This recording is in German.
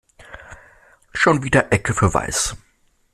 Schon wieder Ecke für weiß.